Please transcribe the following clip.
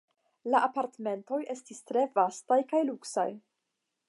La apartamentoj estis tre vastaj kaj luksaj.